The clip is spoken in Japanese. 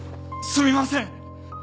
すみません！